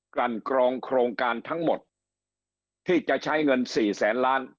ลั่นกรองโครงการทั้งหมดที่จะใช้เงินสี่แสนล้าน